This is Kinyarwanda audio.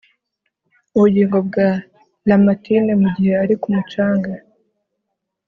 ubugingo bwa lamartine, mugihe ari ku mucanga